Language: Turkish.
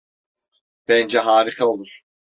Bence harika olur.